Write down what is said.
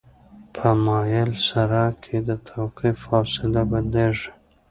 په مایل سرک کې د توقف فاصله بدلیږي